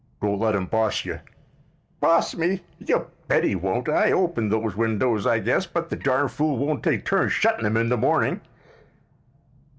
"Don't let him boss you." "Boss me? You bet he won't. I open those windows, I guess, but the darn fool won't take turns shuttin' 'em in the morning."